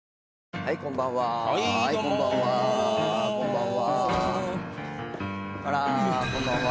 はいこんばんは。